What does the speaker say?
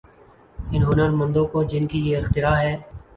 ان ہنرمندوں کو جن کی یہ اختراع ہے۔